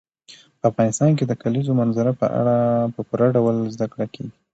په افغانستان کې د کلیزو منظره په اړه په پوره ډول زده کړه کېږي.